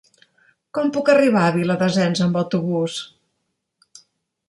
Com puc arribar a Viladasens amb autobús?